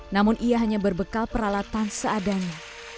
namun ia hanya berbekal peralatan seadanya